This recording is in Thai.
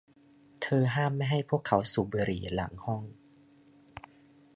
เธอห้ามไม่ให้พวกเขาสูบบุหรี่หลังห้อง